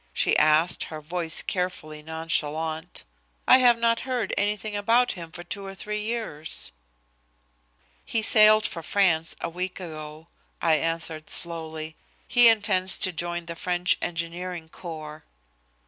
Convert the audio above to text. she asked, her voice carefully nonchalant. "I have not heard anything about him for two or three years." "He sailed for France a week ago," I answered slowly. "He intends to join the French engineering corps."